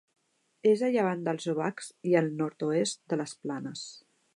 És a llevant dels Obacs i al nord-oest de les Planes.